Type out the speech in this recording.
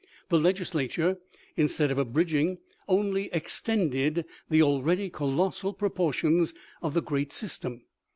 The Legislature, instead of abridging, only extended the already colossal proportions of the great sys tem.